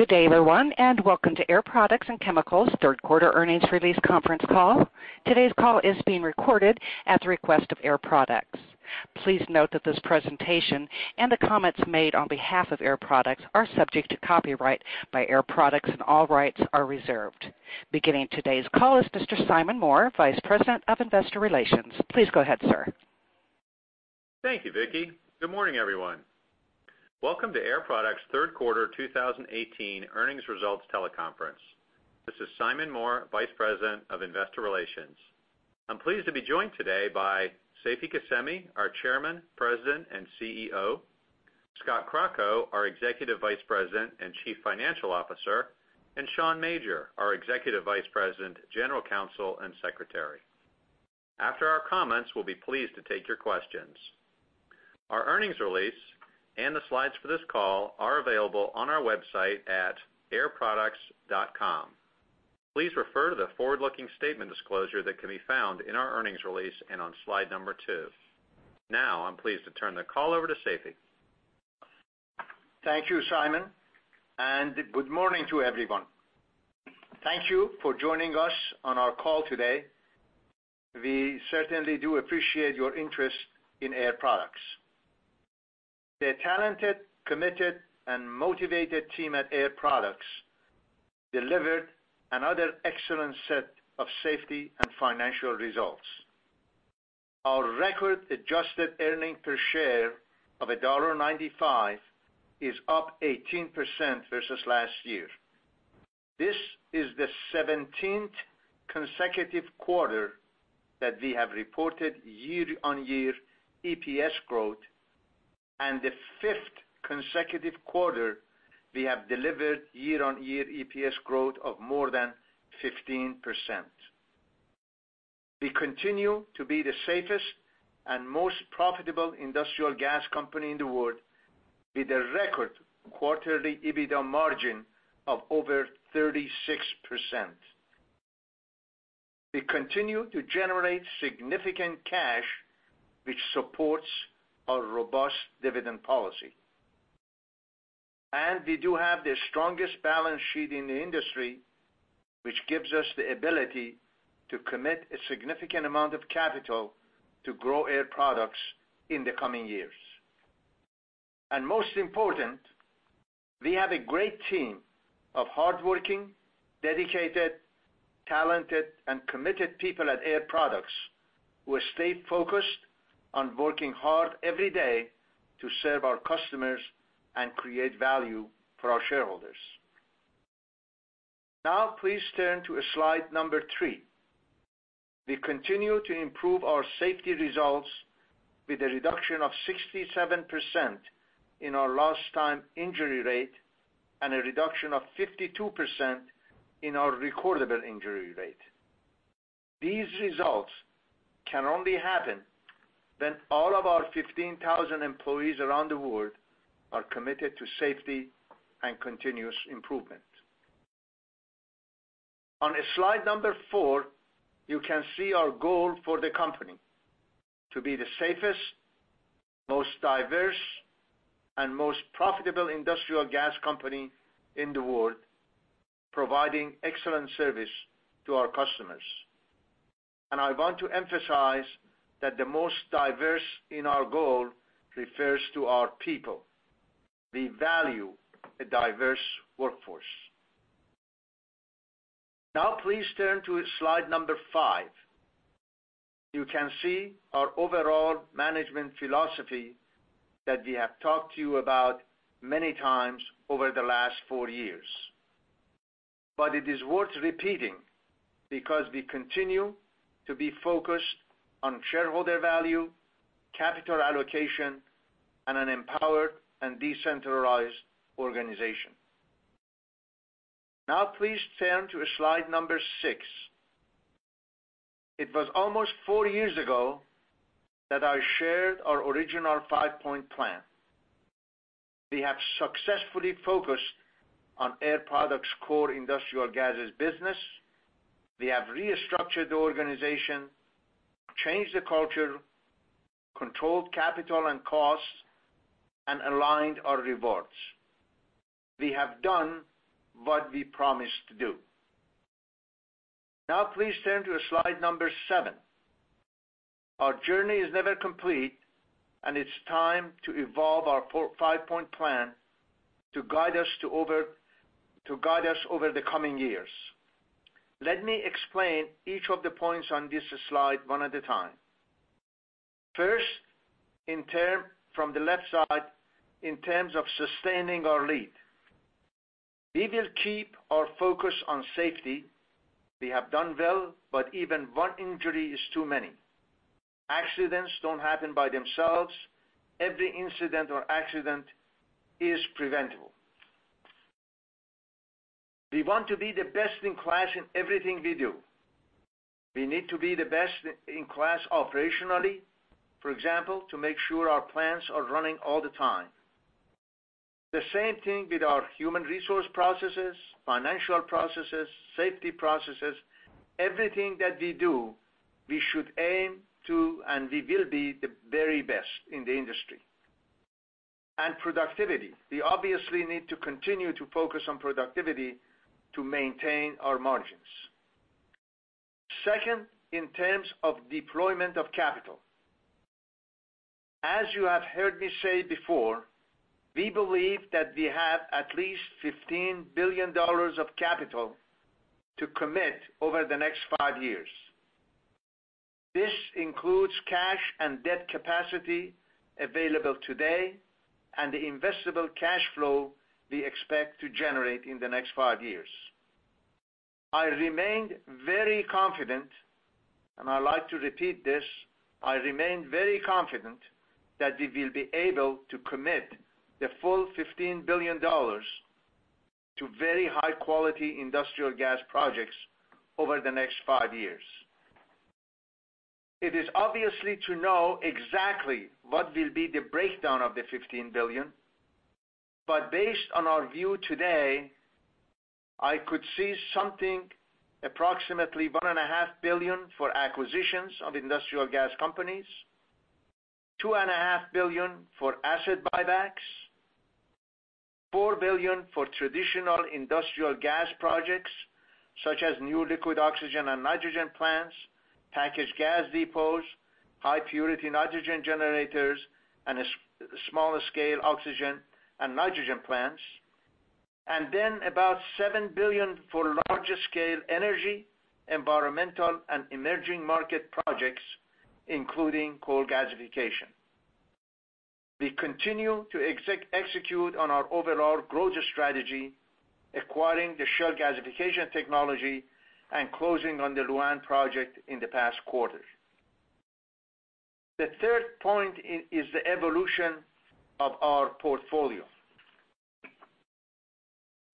Good day, everyone, welcome to Air Products and Chemicals' third quarter earnings release conference call. Today's call is being recorded at the request of Air Products. Please note that this presentation and the comments made on behalf of Air Products are subject to copyright by Air Products, and all rights are reserved. Beginning today's call is Mr. Simon Moore, Vice President of Investor Relations. Please go ahead, sir. Thank you, Vicky. Good morning, everyone. Welcome to Air Products' third quarter 2018 earnings results teleconference. This is Simon Moore, Vice President of Investor Relations. I'm pleased to be joined today by Seifi Ghasemi, our Chairman, President, and CEO, Scott Crocco, our Executive Vice President and Chief Financial Officer, and Sean Major, our Executive Vice President, General Counsel, and Secretary. After our comments, we'll be pleased to take your questions. Our earnings release and the slides for this call are available on our website at airproducts.com. Please refer to the forward-looking statement disclosure that can be found in our earnings release and on slide number two. I'm pleased to turn the call over to Seifi. Thank you, Simon, good morning to everyone. Thank you for joining us on our call today. We certainly do appreciate your interest in Air Products. The talented, committed, and motivated team at Air Products delivered another excellent set of safety and financial results. Our record adjusted earnings per share of $1.95 is up 18% versus last year. This is the 17th consecutive quarter that we have reported year-on-year EPS growth and the fifth consecutive quarter we have delivered year-on-year EPS growth of more than 15%. We continue to be the safest and most profitable industrial gas company in the world, with a record quarterly EBITDA margin of over 36%. We continue to generate significant cash, which supports our robust dividend policy. We do have the strongest balance sheet in the industry, which gives us the ability to commit a significant amount of capital to grow Air Products in the coming years. Most important, we have a great team of hardworking, dedicated, talented, and committed people at Air Products who stay focused on working hard every day to serve our customers and create value for our shareholders. Please turn to slide number three. We continue to improve our safety results with a reduction of 67% in our lost time injury rate and a reduction of 52% in our recordable injury rate. These results can only happen when all of our 15,000 employees around the world are committed to safety and continuous improvement. On slide number four, you can see our goal for the company. To be the safest, most diverse, and most profitable industrial gas company in the world, providing excellent service to our customers. I want to emphasize that the most diverse in our goal refers to our people. We value a diverse workforce. Please turn to slide five. You can see our overall management philosophy that we have talked to you about many times over the last four years. It is worth repeating, because we continue to be focused on shareholder value, capital allocation, and an empowered and decentralized organization. Please turn to slide six. It was almost four years ago that I shared our original five-point plan. We have successfully focused on Air Products' core industrial gases business. We have restructured the organization, changed the culture, controlled capital and costs, and aligned our rewards. We have done what we promised to do. Please turn to slide seven. Our journey is never complete, and it's time to evolve our five-point plan to guide us over the coming years. Let me explain each of the points on this slide one at a time. First, from the left side, in terms of sustaining our lead. We will keep our focus on safety. We have done well, but even one injury is too many. Accidents don't happen by themselves. Every incident or accident is preventable. We want to be the best in class in everything we do. We need to be the best in class operationally. For example, to make sure our plants are running all the time. The same thing with our human resource processes, financial processes, safety processes. Everything that we do, we should aim to, and we will be, the very best in the industry. Productivity. We obviously need to continue to focus on productivity to maintain our margins. Second, in terms of deployment of capital. As you have heard me say before, we believe that we have at least $15 billion of capital to commit over the next five years. This includes cash and debt capacity available today and the investable cash flow we expect to generate in the next five years. I remained very confident, I'd like to repeat this, I remain very confident that we will be able to commit the full $15 billion to very high-quality industrial gas projects over the next five years. It is obviously to know exactly what will be the breakdown of the $15 billion, based on our view today, I could see something approximately $1.5 billion for acquisitions of industrial gas companies, $2.5 billion for asset buybacks, $4 billion for traditional industrial gas projects such as new liquid oxygen and nitrogen plants, packaged gas depots, high purity nitrogen generators, and smaller scale oxygen and nitrogen plants. About $7 billion for larger scale energy, environmental, and emerging market projects, including coal gasification. We continue to execute on our overall growth strategy, acquiring the Shell gasification technology and closing on the Lu'an project in the past quarter. The third point is the evolution of our portfolio.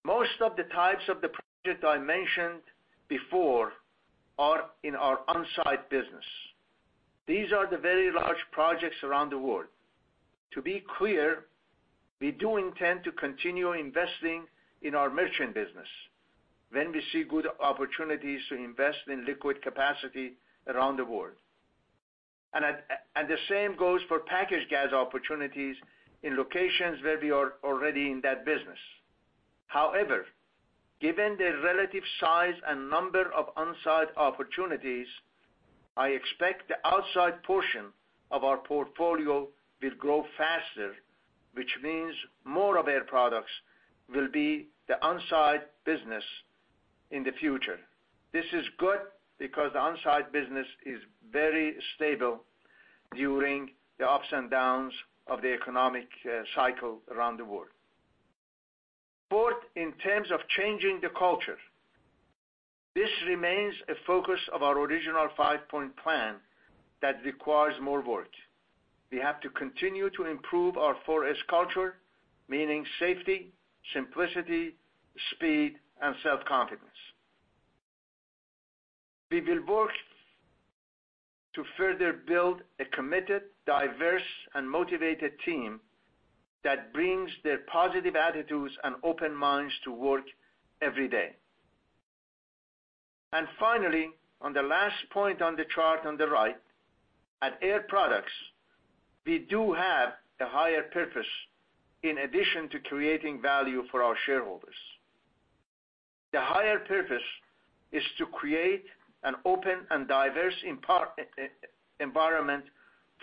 Most of the types of the project I mentioned before are in our on-site business. These are the very large projects around the world. To be clear, we do intend to continue investing in our merchant business when we see good opportunities to invest in liquid capacity around the world. The same goes for packaged gas opportunities in locations where we are already in that business. However, given the relative size and number of on-site opportunities, I expect the on-site portion of our portfolio will grow faster, which means more of Air Products will be the on-site business in the future. This is good because the on-site business is very stable during the ups and downs of the economic cycle around the world. Fourth, in terms of changing the culture. This remains a focus of our original five-point plan that requires more work. We have to continue to improve our 4S culture, meaning safety, simplicity, speed, and self-confidence. We will work to further build a committed, diverse, and motivated team that brings their positive attitudes and open minds to work every day. Finally, on the last point on the chart on the right, at Air Products, we do have a higher purpose in addition to creating value for our shareholders. The higher purpose is to create an open and diverse environment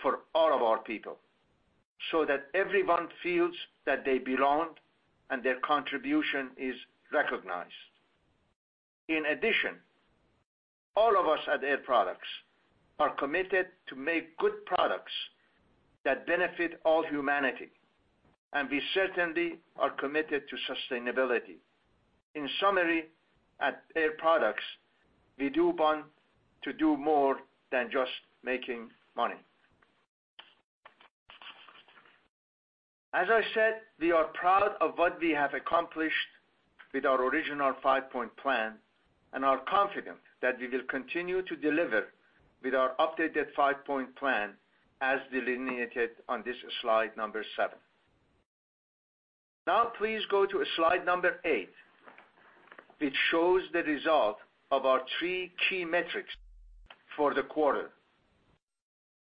for all of our people, so that everyone feels that they belong and their contribution is recognized. In addition, all of us at Air Products are committed to make good products that benefit all humanity, and we certainly are committed to sustainability. In summary, at Air Products, we do want to do more than just making money. As I said, we are proud of what we have accomplished with our original five-point plan and are confident that we will continue to deliver with our updated five-point plan as delineated on this slide seven. Please go to slide eight. It shows the result of our three key metrics for the quarter.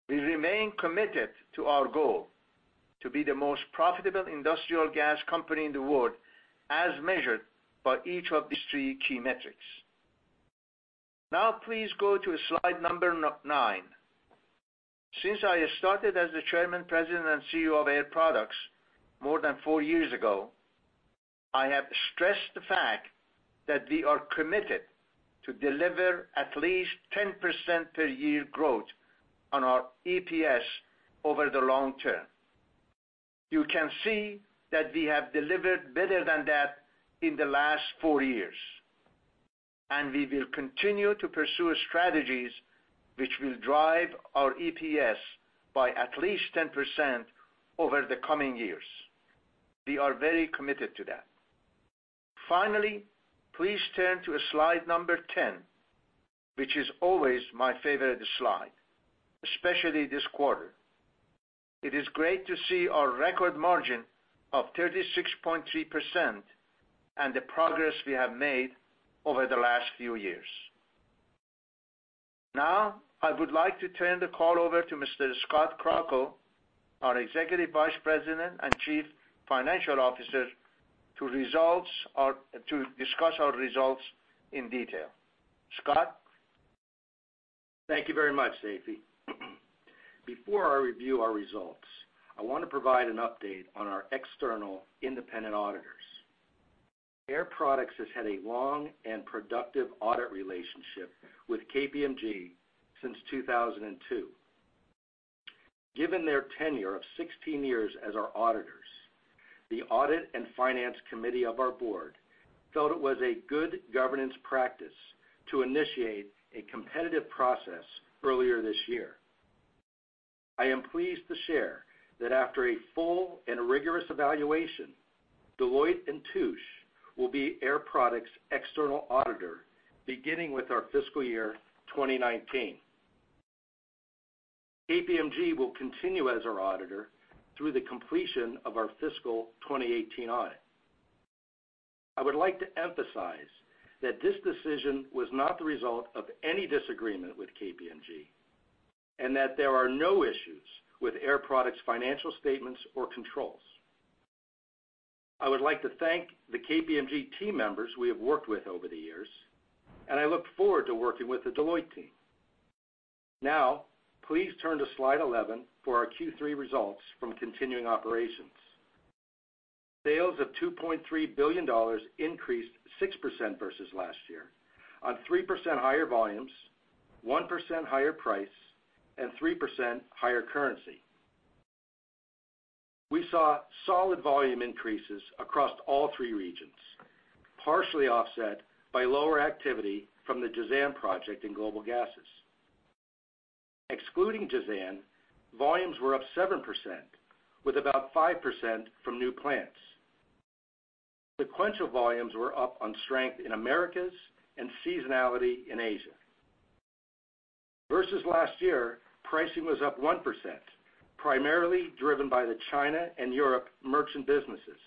We remain committed to our goal to be the most profitable industrial gas company in the world, as measured by each of these three key metrics. Please go to slide nine. Since I started as the Chairman, President, and CEO of Air Products more than four years ago, I have stressed the fact that we are committed to deliver at least 10% per year growth on our EPS over the long term. You can see that we have delivered better than that in the last four years. We will continue to pursue strategies which will drive our EPS by at least 10% over the coming years. We are very committed to that. Please turn to slide 10, which is always my favorite slide, especially this quarter. It is great to see our record margin of 36.3% and the progress we have made over the last few years. I would like to turn the call over to Mr. Scott Crocco, our Executive Vice President and Chief Financial Officer, to discuss our results in detail. Scott? Thank you very much, Seifi. Before I review our results, I want to provide an update on our external independent auditors. Air Products has had a long and productive audit relationship with KPMG since 2002. Given their tenure of 16 years as our auditors, the Audit and Finance Committee of our board felt it was a good governance practice to initiate a competitive process earlier this year. I am pleased to share that after a full and rigorous evaluation, Deloitte & Touche will be Air Products' external auditor, beginning with our fiscal year 2019. KPMG will continue as our auditor through the completion of our fiscal 2018 audit. I would like to emphasize that this decision was not the result of any disagreement with KPMG, and that there are no issues with Air Products' financial statements or controls. I would like to thank the KPMG team members we have worked with over the years. I look forward to working with the Deloitte team. Please turn to Slide 11 for our Q3 results from continuing operations. Sales of $2.3 billion increased 6% versus last year, on 3% higher volumes, 1% higher price, and 3% higher currency. We saw solid volume increases across all three regions, partially offset by lower activity from the Jazan project in Industrial Gases – Global. Excluding Jazan, volumes were up 7%, with about 5% from new plants. Sequential volumes were up on strength in Industrial Gases – Americas and seasonality in Industrial Gases – Asia. Versus last year, pricing was up 1%, primarily driven by the China and Europe merchant businesses.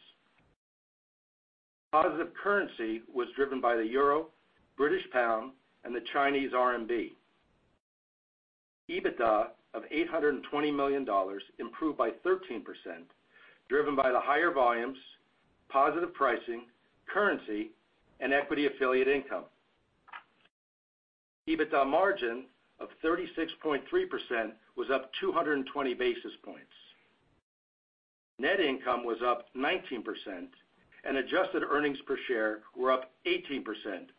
Positive currency was driven by the EUR, GBP, and the CNY. EBITDA of $820 million improved by 13%, driven by the higher volumes, positive pricing, currency, and equity affiliate income. EBITDA margin of 36.3% was up 220 basis points. Net income was up 19%, and adjusted earnings per share were up 18%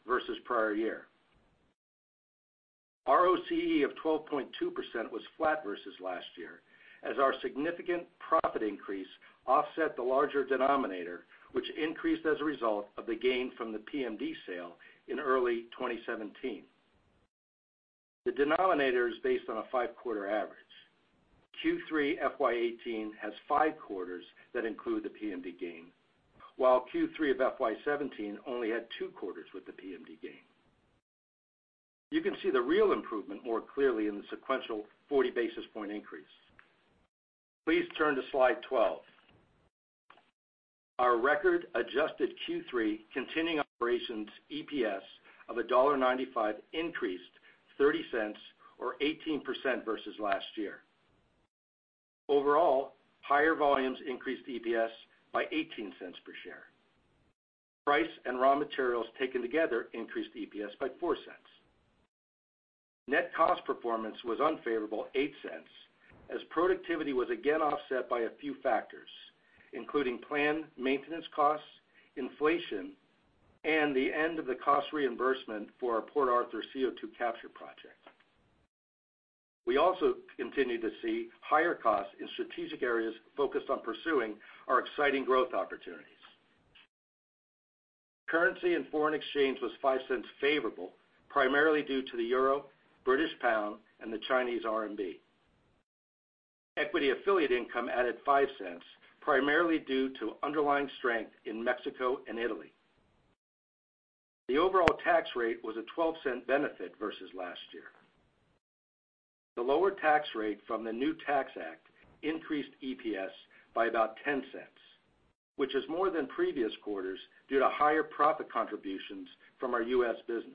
versus prior year. ROCE of 12.2% was flat versus last year, as our significant profit increase offset the larger denominator, which increased as a result of the gain from the PMD sale in early 2017. The denominator is based on a five-quarter average. Q3 FY 2018 has five quarters that include the PMD gain, while Q3 of FY 2017 only had two quarters with the PMD gain. You can see the real improvement more clearly in the sequential 40 basis point increase. Please turn to Slide 12. Our record adjusted Q3 continuing operations EPS of $1.95 increased $0.30 or 18% versus last year. Overall, higher volumes increased EPS by $0.18 per share. Price and raw materials taken together increased EPS by $0.04. Net cost performance was unfavorable $0.08, as productivity was again offset by a few factors, including planned maintenance costs, inflation, and the end of the cost reimbursement for our Port Arthur CO2 capture project. We also continue to see higher costs in strategic areas focused on pursuing our exciting growth opportunities. Currency and foreign exchange was $0.05 favorable, primarily due to the EUR, GBP, and the CNY. Equity affiliate income added $0.05, primarily due to underlying strength in Mexico and Italy. The overall tax rate was a $0.12 benefit versus last year. The lower tax rate from the new tax act increased EPS by about $0.10, which is more than previous quarters due to higher profit contributions from our U.S. business.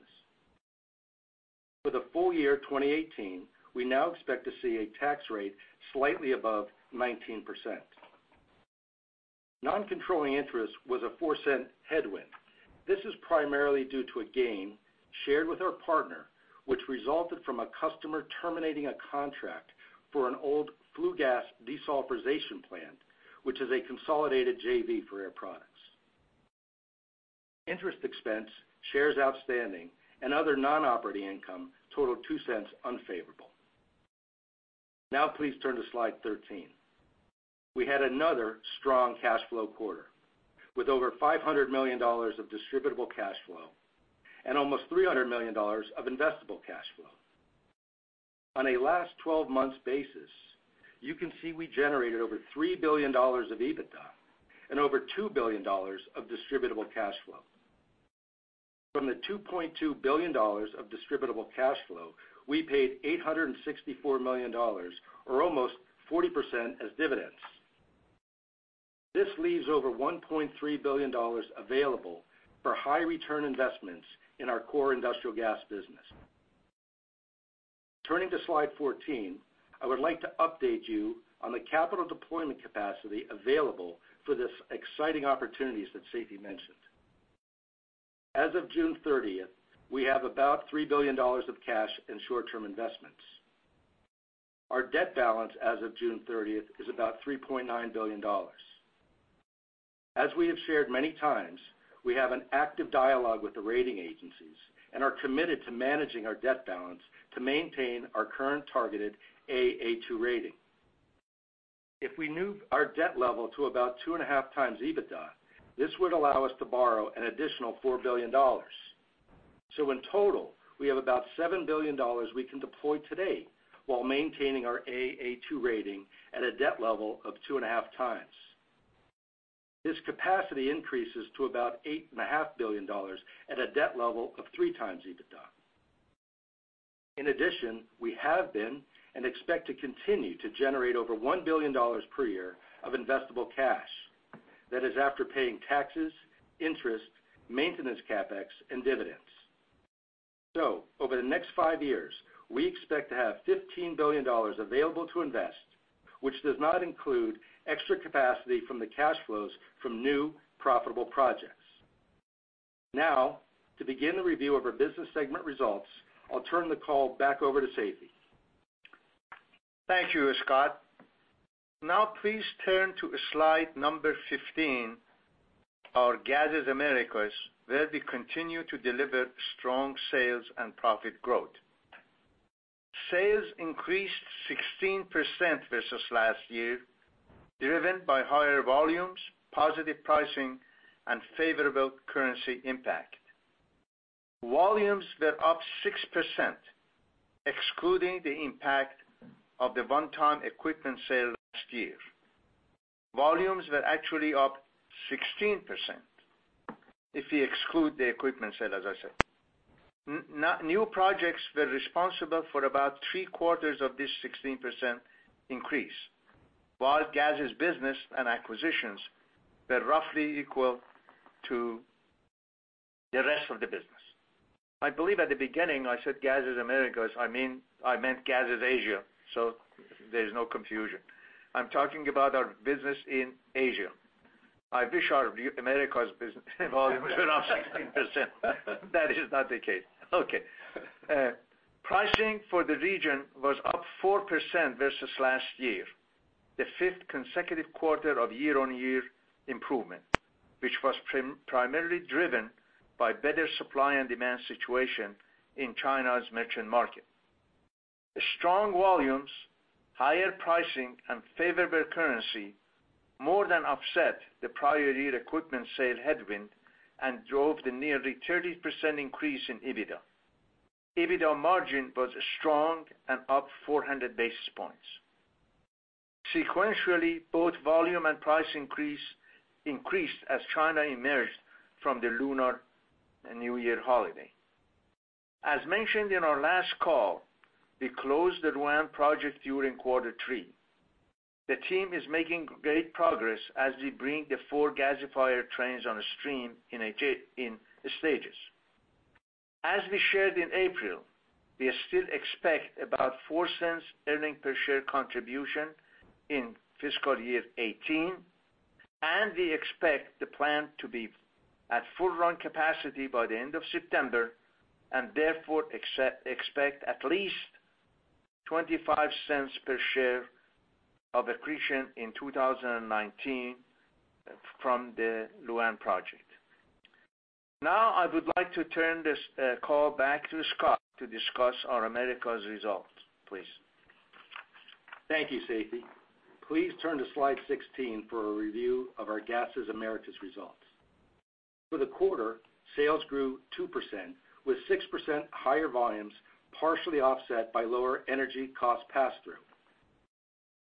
For the full year 2018, we now expect to see a tax rate slightly above 19%. Non-controlling interest was a $0.04 headwind. This is primarily due to a gain shared with our partner, which resulted from a customer terminating a contract for an old flue gas desulfurization plant, which is a consolidated JV for Air Products. Interest expense, shares outstanding, and other non-operating income totaled $0.02 unfavorable. Now please turn to Slide 13. We had another strong cash flow quarter, with over $500 million of distributable cash flow and almost $300 million of investable cash flow. On a last 12 months basis, you can see we generated over $3 billion of EBITDA and over $2 billion of distributable cash flow. From the $2.2 billion of distributable cash flow, we paid $864 million or almost 40% as dividends. This leaves over $1.3 billion available for high return investments in our core industrial gas business. Turning to Slide 14, I would like to update you on the capital deployment capacity available for the exciting opportunities that Seifi mentioned. As of June 30th, we have about $3 billion of cash and short-term investments. Our debt balance as of June 30th is about $3.9 billion. As we have shared many times, we have an active dialogue with the rating agencies and are committed to managing our debt balance to maintain our current targeted A2 rating. If we move our debt level to about 2.5 times EBITDA, this would allow us to borrow an additional $4 billion. In total, we have about $7 billion we can deploy today while maintaining our A-2 rating at a debt level of 2.5 times. This capacity increases to about $8.5 billion at a debt level of 3 times EBITDA. In addition, we have been and expect to continue to generate over $1 billion per year of investable cash. That is after paying taxes, interest, maintenance, CapEx, and dividends. Over the next five years, we expect to have $15 billion available to invest, which does not include extra capacity from the cash flows from new profitable projects. Now, to begin the review of our business segment results, I'll turn the call back over to Seifi. Thank you, Scott. Now please turn to Slide 15, our Gases Americas, where we continue to deliver strong sales and profit growth. Sales increased 16% versus last year, driven by higher volumes, positive pricing, and favorable currency impact. Volumes were up 6%, excluding the impact of the one-time equipment sale last year. Volumes were actually up 16% if you exclude the equipment sale, as I said. New projects were responsible for about three-quarters of this 16% increase, while gases business and acquisitions were roughly equal to the rest of the business. I believe at the beginning I said Gases Americas. I meant Gases Asia, so there's no confusion. I'm talking about our business in Asia. I wish our Americas business volume were up 16%. That is not the case. Okay. Pricing for the region was up 4% versus last year, the fifth consecutive quarter of year-on-year improvement, which was primarily driven by better supply and demand situation in China's merchant market. The strong volumes, higher pricing, and favorable currency more than offset the prior year equipment sale headwind and drove the nearly 30% increase in EBITDA. EBITDA margin was strong and up 400 basis points. Sequentially, both volume and price increased as China emerged from the Lunar New Year holiday. As mentioned in our last call, we closed the Lu'An project during quarter three. The team is making great progress as we bring the four gasifier trains on stream in stages. As we shared in April, we still expect about $0.04 earnings per share contribution in fiscal year 2018. We expect the plant to be at full run capacity by the end of September, therefore expect at least $0.25 per share of accretion in 2019 from the Lu'An project. I would like to turn this call back to Scott to discuss our Americas results, please. Thank you, Seifi. Please turn to slide 16 for a review of our Gases Americas results. For the quarter, sales grew 2% with 6% higher volumes, partially offset by lower energy cost pass-through.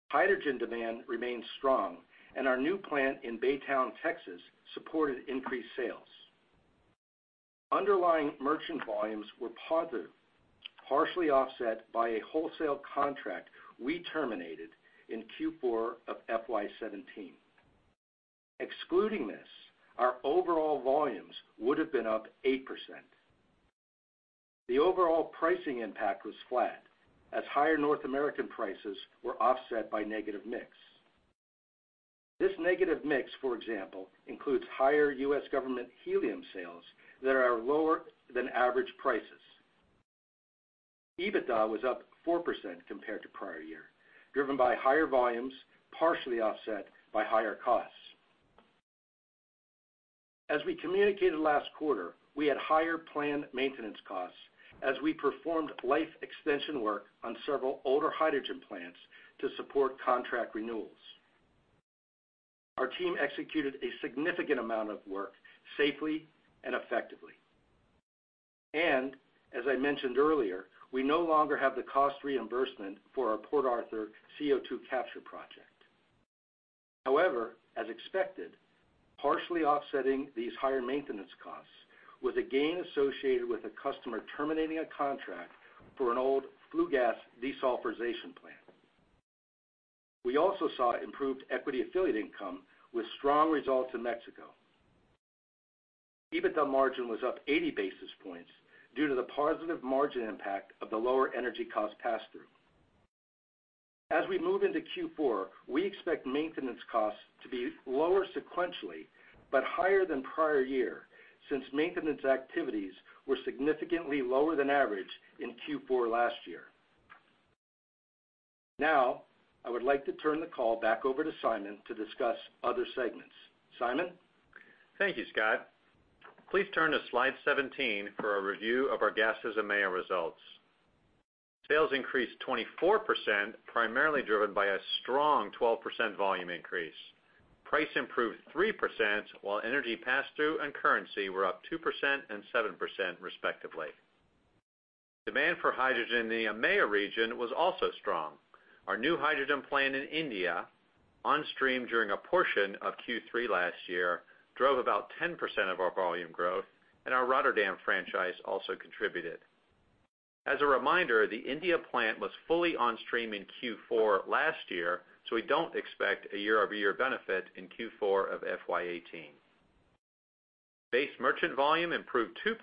Hydrogen demand remained strong and our new plant in Baytown, Texas supported increased sales. Underlying merchant volumes were positive, partially offset by a wholesale contract we terminated in Q4 of FY 2017. Excluding this, our overall volumes would've been up 8%. The overall pricing impact was flat as higher North American prices were offset by negative mix. This negative mix, for example, includes higher U.S. government helium sales that are lower than average prices. EBITDA was up 4% compared to prior year, driven by higher volumes, partially offset by higher costs. As we communicated last quarter, we had higher planned maintenance costs as we performed life extension work on several older hydrogen plants to support contract renewals. Our team executed a significant amount of work safely and effectively. As I mentioned earlier, we no longer have the cost reimbursement for our Port Arthur CO2 capture project. However, as expected, partially offsetting these higher maintenance costs was a gain associated with a customer terminating a contract for an old flue gas desulfurization plant. We also saw improved equity affiliate income with strong results in Mexico. EBITDA margin was up 80 basis points due to the positive margin impact of the lower energy cost pass-through. As we move into Q4, we expect maintenance costs to be lower sequentially, but higher than prior year, since maintenance activities were significantly lower than average in Q4 last year. Now, I would like to turn the call back over to Simon to discuss other segments. Simon? Thank you, Scott. Please turn to slide 17 for a review of our gases EMEA results. Sales increased 24%, primarily driven by a strong 12% volume increase. Price improved 3%, while energy pass-through and currency were up 2% and 7%, respectively. Demand for hydrogen in the EMEA region was also strong. Our new hydrogen plant in India, on stream during a portion of Q3 last year, drove about 10% of our volume growth, and our Rotterdam franchise also contributed. As a reminder, the India plant was fully on stream in Q4 last year, so we don't expect a year-over-year benefit in Q4 of FY 2018. Base merchant volume improved 2%,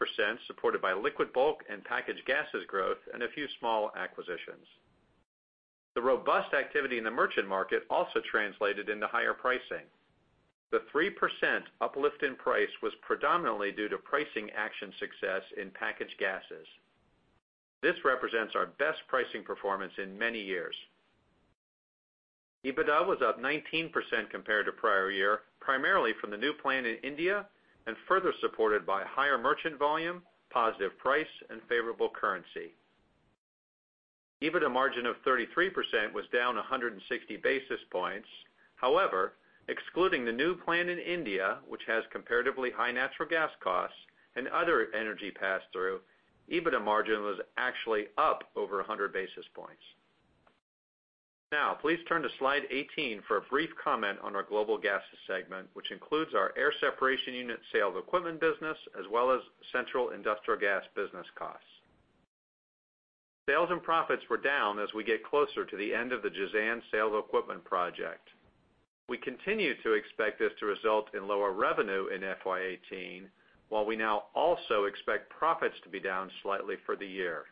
supported by liquid bulk and packaged gases growth, and a few small acquisitions. The robust activity in the merchant market also translated into higher pricing. The 3% uplift in price was predominantly due to pricing action success in packaged gases. This represents our best pricing performance in many years. EBITDA was up 19% compared to prior year, primarily from the new plant in India and further supported by higher merchant volume, positive price and favorable currency. EBITDA margin of 33% was down 160 basis points. However, excluding the new plant in India, which has comparatively high natural gas costs and other energy pass-through, EBITDA margin was actually up over 100 basis points. Now, please turn to slide 18 for a brief comment on our Industrial Gases – Global segment, which includes our air separation unit sale of equipment business, as well as central industrial gas business costs. Sales and profits were down as we get closer to the end of the Jazan sale of equipment project. We continue to expect this to result in lower revenue in FY 2018, while we now also expect profits to be down slightly for the year.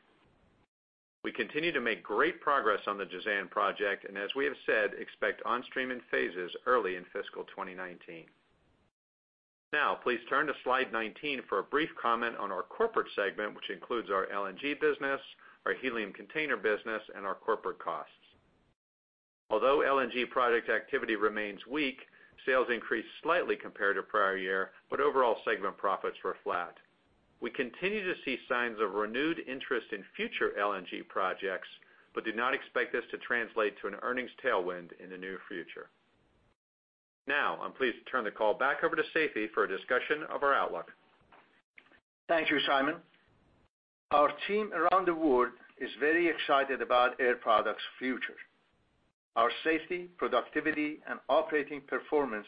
We continue to make great progress on the Jazan project, and as we have said, expect on stream in phases early in fiscal 2019. Now, please turn to slide 19 for a brief comment on our corporate segment, which includes our LNG business, our helium container business, and our corporate costs. Although LNG project activity remains weak, sales increased slightly compared to prior year, but overall segment profits were flat. We continue to see signs of renewed interest in future LNG projects, but do not expect this to translate to an earnings tailwind in the near future. Now, I'm pleased to turn the call back over to Seifi for a discussion of our outlook. Thank you, Simon. Our team around the world is very excited about Air Products' future. Our safety, productivity, and operating performance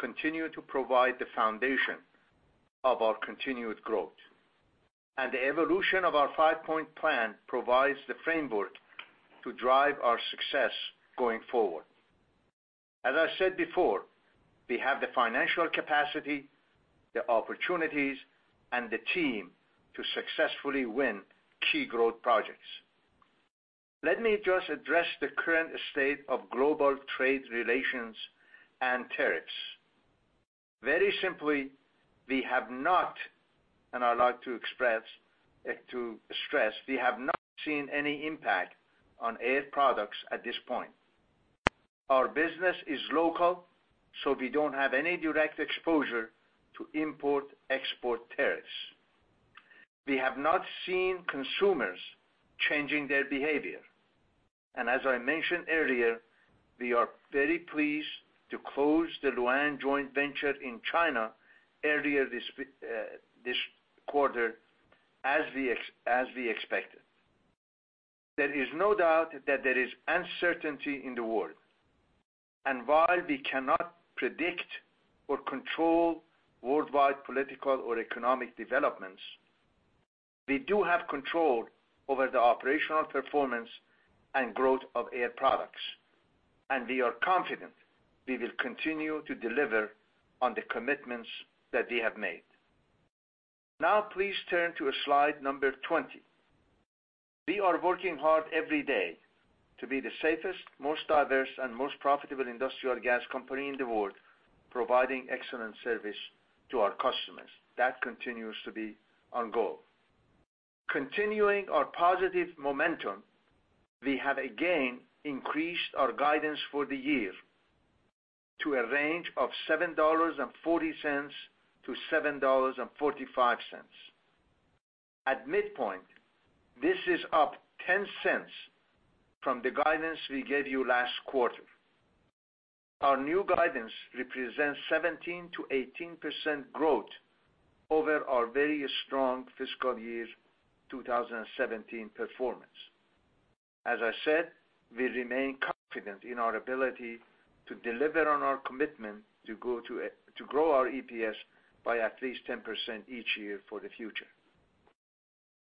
continue to provide the foundation of our continued growth. The evolution of our five-point plan provides the framework to drive our success going forward. As I said before, we have the financial capacity, the opportunities, and the team to successfully win key growth projects. Let me just address the current state of global trade relations and tariffs. Very simply, we have not, and I like to stress, we have not seen any impact on Air Products at this point. Our business is local, so we don't have any direct exposure to import-export tariffs. We have not seen consumers changing their behavior. As I mentioned earlier, we are very pleased to close the Lu'An joint venture in China earlier this quarter as we expected. There is no doubt that there is uncertainty in the world. While we cannot predict or control worldwide political or economic developments, we do have control over the operational performance and growth of Air Products, and we are confident we will continue to deliver on the commitments that we have made. Please turn to slide number 20. We are working hard every day to be the safest, most diverse, and most profitable industrial gas company in the world, providing excellent service to our customers. That continues to be our goal. Continuing our positive momentum, we have again increased our guidance for the year to a range of $7.40-$7.45. At midpoint, this is up $0.10 from the guidance we gave you last quarter. Our new guidance represents 17%-18% growth over our very strong fiscal year 2017 performance. As I said, we remain confident in our ability to deliver on our commitment to grow our EPS by at least 10% each year for the future.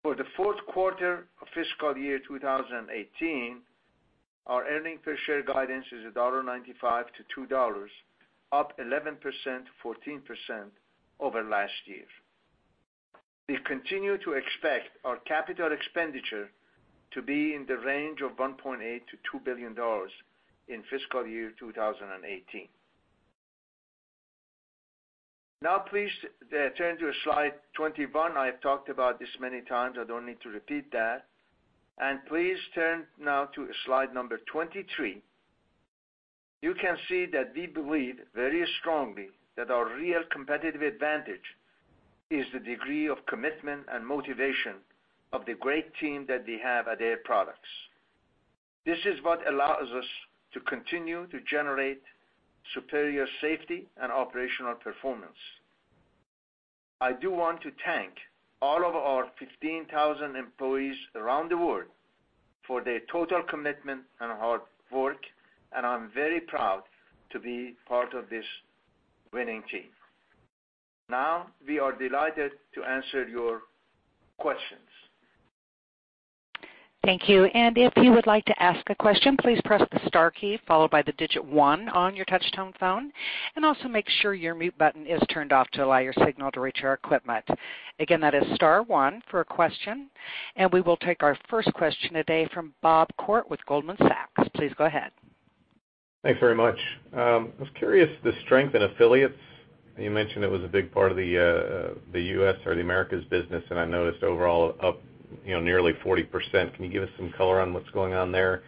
For the fourth quarter of fiscal year 2018, our earnings per share guidance is $1.95-$2, up 11%, 14% over last year. We continue to expect our capital expenditure to be in the range of $1.8 billion-$2 billion in fiscal year 2018. Please turn to slide 21. I have talked about this many times. I don't need to repeat that. Please turn now to slide number 23. You can see that we believe very strongly that our real competitive advantage is the degree of commitment and motivation of the great team that we have at Air Products. This is what allows us to continue to generate superior safety and operational performance. I do want to thank all of our 15,000 employees around the world for their total commitment and hard work, I'm very proud to be part of this winning team. We are delighted to answer your questions. Thank you. If you would like to ask a question, please press the star key followed by the digit 1 on your touch-tone phone, and also make sure your mute button is turned off to allow your signal to reach our equipment. Again, that is star 1 for a question, and we will take our first question today from Bob Koort with Goldman Sachs. Please go ahead. Thanks very much. I was curious, the strength in affiliates, you mentioned it was a big part of the U.S. or the Americas business, I noticed overall up nearly 40%. Can you give us some color on what's going on there?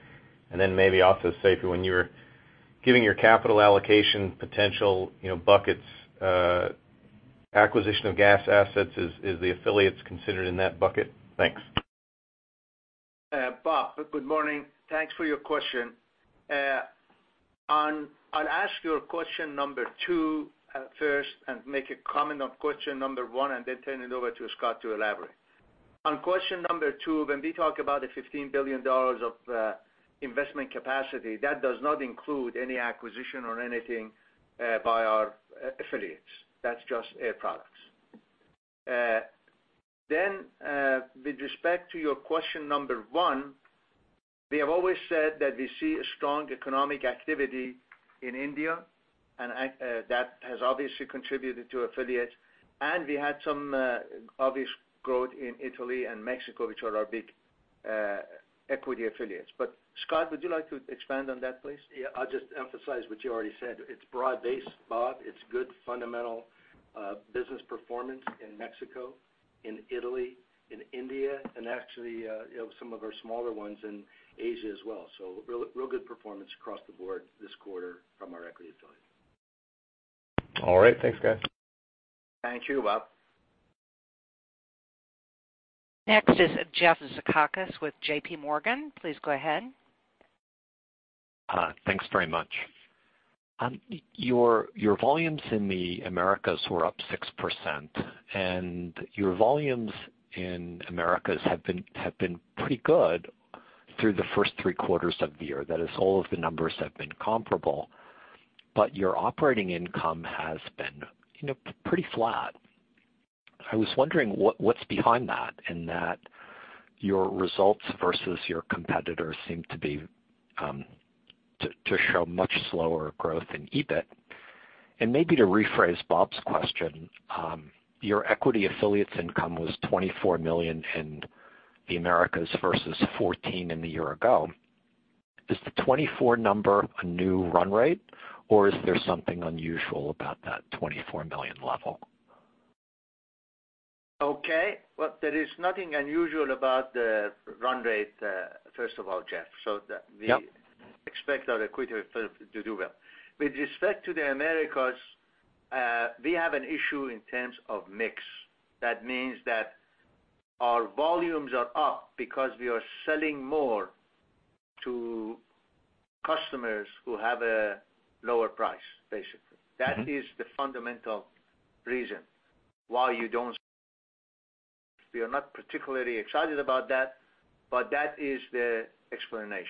Maybe also, Seifi, when you were giving your capital allocation potential buckets, acquisition of gas assets, is the affiliates considered in that bucket? Thanks. Bob, good morning. Thanks for your question. I'll ask your question number 2 first and make a comment on question number 1, then turn it over to Scott to elaborate. On question number 2, when we talk about the $15 billion of investment capacity, that does not include any acquisition or anything by our affiliates. That's just Air Products. With respect to your question number 1, we have always said that we see a strong economic activity in India, that has obviously contributed to affiliates. We had some obvious growth in Italy and Mexico, which are our big equity affiliates. Scott, would you like to expand on that, please? Yeah. I'll just emphasize what you already said. It's broad based, Bob. It's good fundamental business performance in Mexico, in Italy, in India, actually some of our smaller ones in Asia as well. Real good performance across the board this quarter from our equity affiliates. All right. Thanks, guys. Thank you, Bob. Next is Jeff Zekauskas with J.P. Morgan. Please go ahead. Thanks very much. Your volumes in the Americas were up 6%. Your volumes in the Americas have been pretty good through the first three quarters of the year. That is, all of the numbers have been comparable. Your operating income has been pretty flat. I was wondering what's behind that. Your results versus your competitors seem to show much slower growth in EBIT. Maybe to rephrase Bob's question, your equity affiliates income was $24 million in the Americas versus $14 in the year ago. Is the 24 number a new run rate, or is there something unusual about that $24 million level? Okay. Well, there is nothing unusual about the run rate, first of all, Jeff. Yep. We expect our equity affiliates to do well. With respect to the Americas, we have an issue in terms of mix. That means that our volumes are up because we are selling more to customers who have a lower price, basically. That is the fundamental reason why you don't. We are not particularly excited about that, but that is the explanation.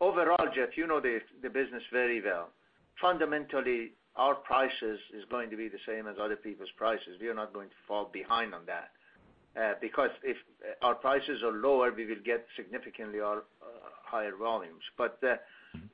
Overall, Jeff, you know the business very well. Fundamentally, our prices is going to be the same as other people's prices. We are not going to fall behind on that. If our prices are lower, we will get significantly higher volumes.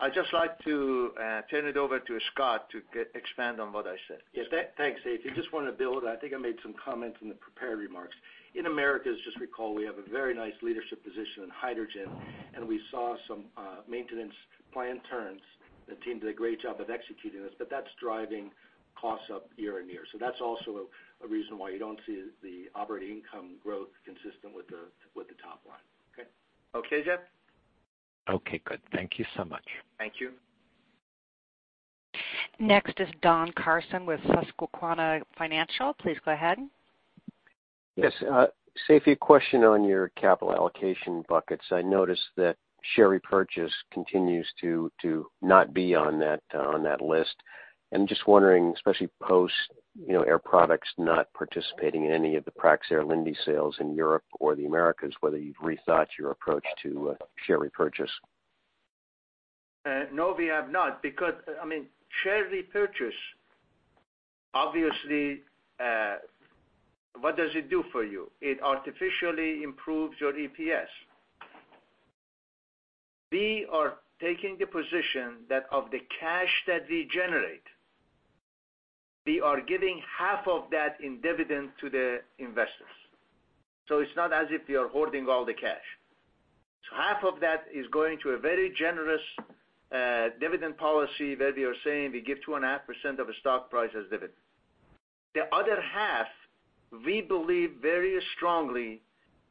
I'd just like to turn it over to Scott to expand on what I said. Yes. Thanks, Seifi. Just want to build. I think I made some comments in the prepared remarks. In Americas, just recall, we have a very nice leadership position in hydrogen, and we saw some maintenance plan turns. The team did a great job of executing this, but that's driving costs up year-on-year. That's also a reason why you don't see the operating income growth consistent with the top line. Okay, Jeff? Okay, good. Thank you so much. Thank you. Next is Don Carson with Susquehanna Financial Group. Please go ahead. Yes. Seifi, a question on your capital allocation buckets. I noticed that share repurchase continues to not be on that list. I'm just wondering, especially post Air Products not participating in any of the Praxair-Linde sales in Europe or the Americas, whether you've rethought your approach to share repurchase? No, we have not. Share repurchase, obviously, what does it do for you? It artificially improves your EPS. We are taking the position that of the cash that we generate, we are giving half of that in dividend to the investors. It's not as if we are hoarding all the cash. Half of that is going to a very generous dividend policy where we are saying we give 2.5% of the stock price as dividend. The other half, we believe very strongly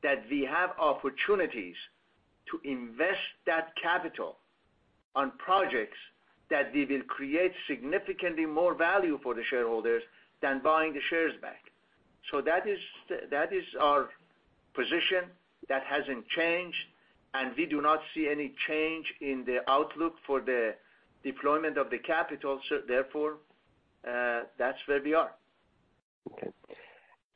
that we have opportunities to invest that capital on projects that they will create significantly more value for the shareholders than buying the shares back. That is our position. That hasn't changed, and we do not see any change in the outlook for the deployment of the capital. That's where we are. Okay.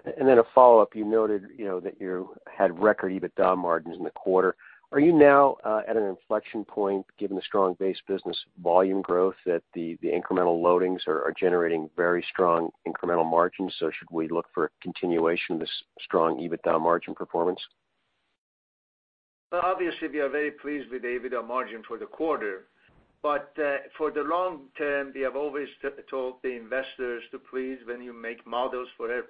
A follow-up, you noted that you had record EBITDA margins in the quarter. Are you now at an inflection point given the strong base business volume growth that the incremental loadings are generating very strong incremental margins? Should we look for a continuation of this strong EBITDA margin performance? Well, obviously, we are very pleased with the EBITDA margin for the quarter. For the long term, we have always told the investors to please, when you make models for Air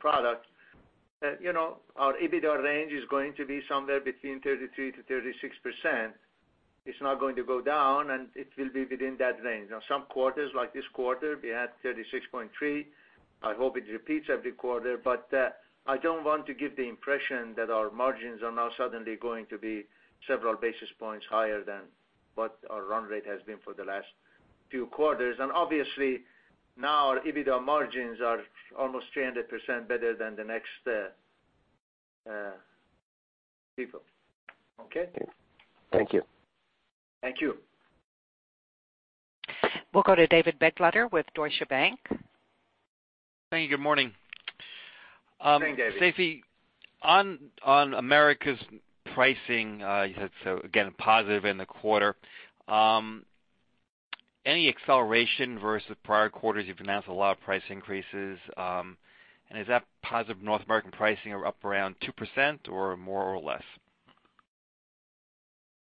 Products, our EBITDA range is going to be somewhere between 33%-36%. It's not going to go down, and it will be within that range. Now, some quarters, like this quarter, we had 36.3%. I hope it repeats every quarter, but I don't want to give the impression that our margins are now suddenly going to be several basis points higher than what our run rate has been for the last few quarters. Obviously, now our EBITDA margins are almost 300% better than the next people. Okay? Thank you. Thank you. We'll go to David Begleiter with Deutsche Bank. Thank you. Good morning. Good morning, David. Seifi, on Industrial Gases – Americas pricing, you said, again, positive in the quarter. Any acceleration versus prior quarters? You've announced a lot of price increases. Is that positive North American pricing up around 2% or more or less?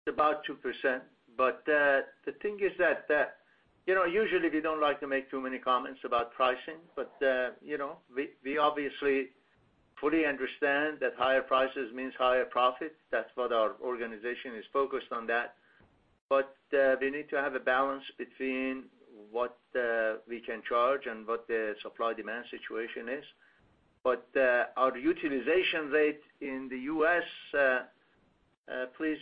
About 2%. The thing is that usually we don't like to make too many comments about pricing, we obviously fully understand that higher prices means higher profits. That's what our organization is focused on that. We need to have a balance between what we can charge and what the supply-demand situation is. Our utilization rate in the U.S., please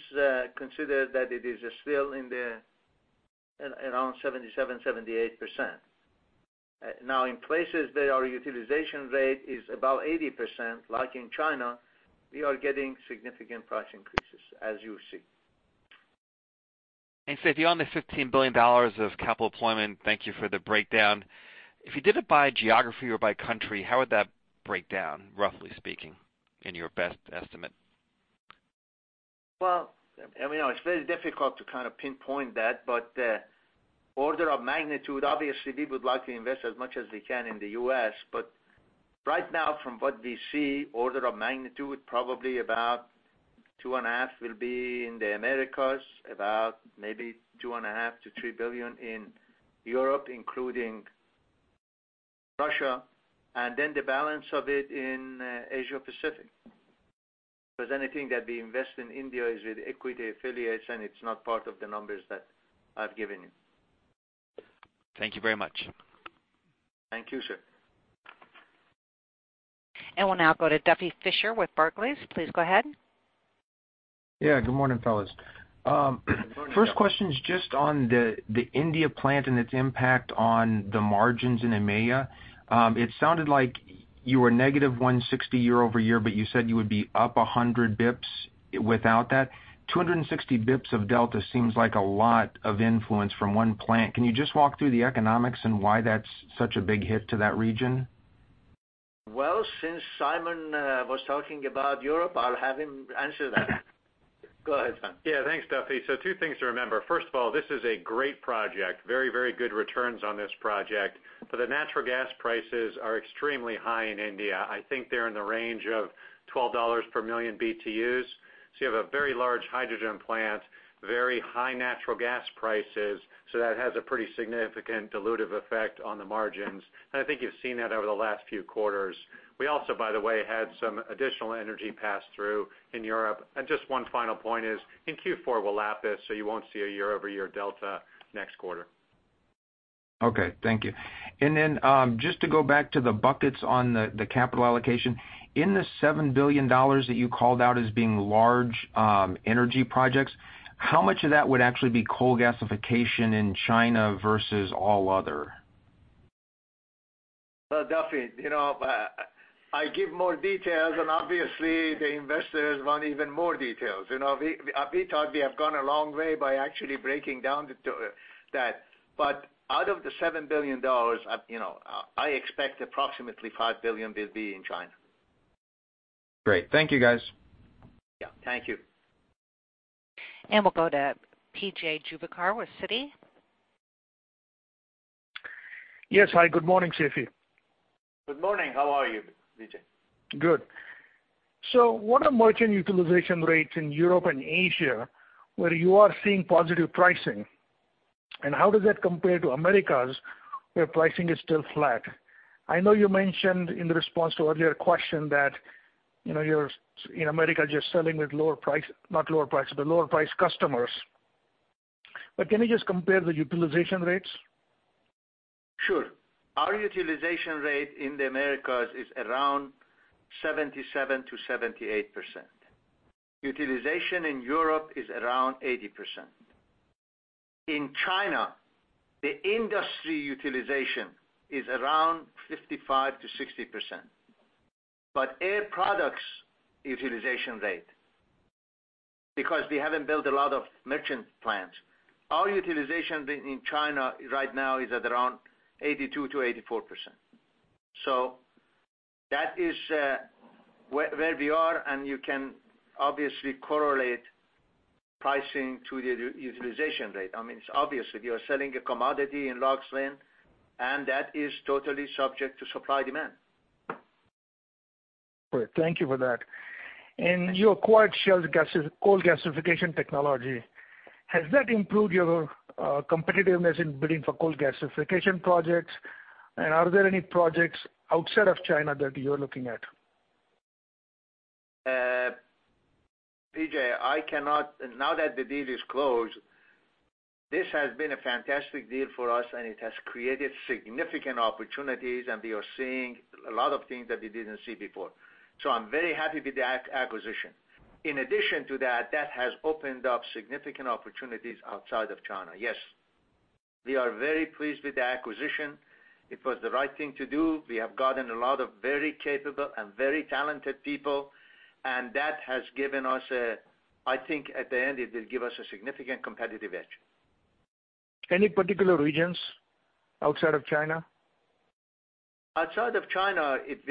consider that it is still around 77%, 78%. Now, in places where our utilization rate is about 80%, like in China, we are getting significant price increases, as you see. Seifi, on the $15 billion of capital employment, thank you for the breakdown. If you did it by geography or by country, how would that break down, roughly speaking, in your best estimate? Well, it's very difficult to kind of pinpoint that, order of magnitude, obviously, we would like to invest as much as we can in the U.S. Right now from what we see, order of magnitude, probably about $2.5 billion will be in Industrial Gases – Americas, about maybe $2.5 billion-$3 billion in Europe, including Russia, the balance of it in Asia Pacific. Anything that we invest in India is with equity affiliates, it's not part of the numbers that I've given you. Thank you very much. Thank you, sir. We'll now go to Duffy Fischer with Barclays. Please go ahead. Yeah, good morning, fellas. Good morning, Duffy. First question is just on the India plant and its impact on the margins in EMEA. It sounded like you were negative 160 basis points year-over-year, but you said you would be up 100 basis points without that. 260 basis points of delta seems like a lot of influence from one plant. Can you just walk through the economics and why that's such a big hit to that region? Well, since Simon was talking about Europe, I'll have him answer that. Go ahead, Simon. Yeah. Thanks, Duffy. Two things to remember. First of all, this is a great project. Very good returns on this project. The natural gas prices are extremely high in India. I think they're in the range of $12 per million BTUs. You have a very large hydrogen plant, very high natural gas prices. That has a pretty significant dilutive effect on the margins. I think you've seen that over the last few quarters. We also, by the way, had some additional energy pass through in Europe. Just one final point is in Q4, we'll lap this, so you won't see a year-over-year delta next quarter. Okay. Thank you. Just to go back to the buckets on the capital allocation. In the $7 billion that you called out as being large energy projects, how much of that would actually be coal gasification in China versus all other? Well, Duffy, I give more details and obviously the investors want even more details. We thought we have gone a long way by actually breaking down that. Out of the $7 billion, I expect approximately $5 billion will be in China. Great. Thank you, guys. Yeah. Thank you. We'll go to P.J. Juvekar with Citigroup. Yes. Hi, good morning, Seifi. Good morning. How are you, PJ? Good. What are merchant utilization rates in Europe and Asia, where you are seeing positive pricing? How does that compare to Americas, where pricing is still flat? I know you mentioned in response to earlier question that you're, in America, just selling with not lower price, but lower price customers. Can you just compare the utilization rates? Sure. Our utilization rate in the Americas is around 77%-78%. Utilization in Europe is around 80%. In China, the industry utilization is around 55%-60%. Air Products' utilization rate, because we haven't built a lot of merchant plants, our utilization rate in China right now is at around 82%-84%. That is where we are, and you can obviously correlate pricing to the utilization rate. It's obvious. If you are selling a commodity in large volume, and that is totally subject to supply demand. Great. Thank you for that. You acquired Shell's coal gasification technology. Has that improved your competitiveness in bidding for coal gasification projects? Are there any projects outside of China that you're looking at? P.J., Now that the deal is closed, this has been a fantastic deal for us, and it has created significant opportunities, and we are seeing a lot of things that we didn't see before. I'm very happy with that acquisition. In addition to that has opened up significant opportunities outside of China. Yes. We are very pleased with the acquisition. It was the right thing to do. We have gotten a lot of very capable and very talented people, and that has given us, I think, at the end, it will give us a significant competitive edge. Any particular regions outside of China? Outside of China, it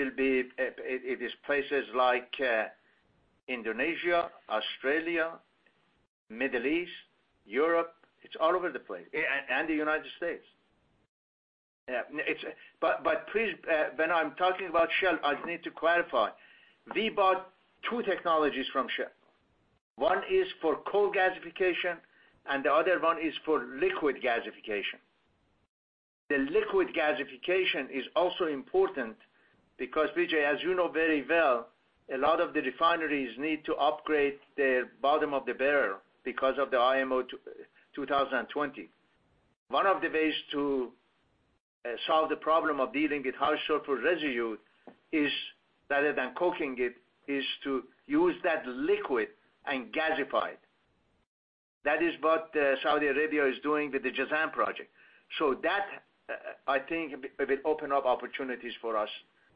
is places like Indonesia, Australia, Middle East, Europe. It's all over the place, and the U.S. Please, when I'm talking about Shell, I need to clarify. We bought two technologies from Shell. One is for coal gasification, and the other one is for liquid gasification. The liquid gasification is also important because, P.J., as you know very well, a lot of the refineries need to upgrade the bottom of the barrel because of the IMO 2020. One of the ways to solve the problem of dealing with high sulfur residue is, rather than coking it, is to use that liquid and gasify it. That is what Saudi Arabia is doing with the Jazan project. That, I think, will open up opportunities for us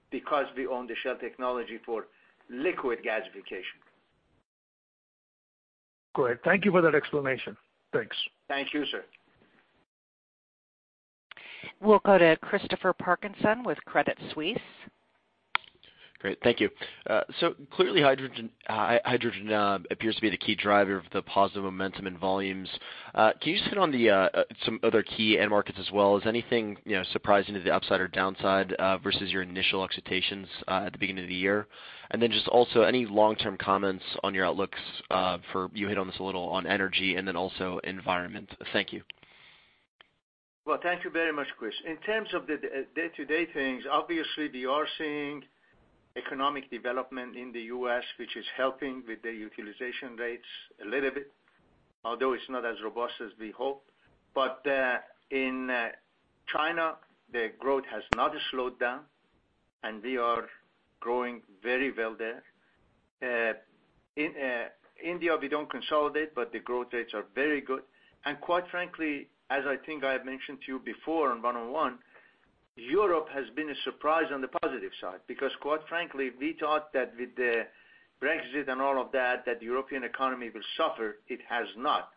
because we own the Shell technology for liquid gasification. Great. Thank you for that explanation. Thanks. Thank you, sir. We'll go to Christopher Parkinson with Credit Suisse. Great. Thank you. Clearly, hydrogen appears to be the key driver of the positive momentum in volumes. Can you just hit on some other key end markets as well? Is anything surprising to the upside or downside, versus your initial expectations at the beginning of the year? Also any long-term comments on your outlooks for, you hit on this a little, on energy and then also environment. Thank you. Well, thank you very much, Chris. In terms of the day-to-day things, obviously, we are seeing economic development in the U.S., which is helping with the utilization rates a little bit. Although it's not as robust as we hope. In China, the growth has not slowed down, and we are growing very well there. In India, we don't consolidate, but the growth rates are very good. Quite frankly, as I think I have mentioned to you before on one-on-one, Europe has been a surprise on the positive side, because quite frankly, we thought that with the Brexit and all of that the European economy will suffer. It has not.